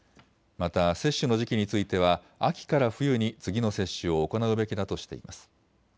また接種の時期については秋から冬に次の接種を行うべきだとしています。